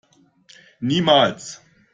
Niemals!